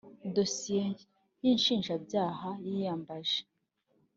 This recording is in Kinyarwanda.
dosiye y inshinjabyaha yiyambaje